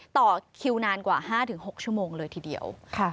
ต่อคิวนานกว่า๕๖ชั่วโมงเลยทีเดียว